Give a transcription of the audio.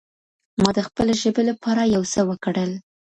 ما د خپلې ژبې لپاره يو څه وکړل.